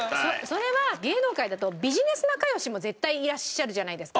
それは芸能界だとビジネス仲良しも絶対いらっしゃるじゃないですか。